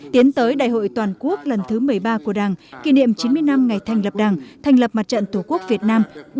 tiến tới đại hội toàn quốc lần thứ một mươi ba của đảng kỷ niệm chín mươi năm ngày thành lập đảng thành lập mặt trận tổ quốc việt nam